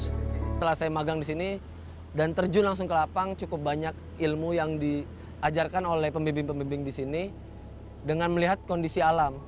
setelah saya magang di sini dan terjun langsung ke lapang cukup banyak ilmu yang diajarkan oleh pembimbing pembimbing di sini dengan melihat kondisi alam